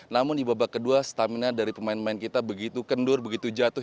namun di babak kedua stamina dari pemain pemain kita begitu kendur begitu jatuh